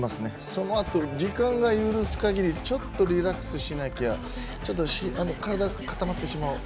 そのあと時間が許すかぎりちょっとリラックスしなきゃちょっと体が固まってしまう。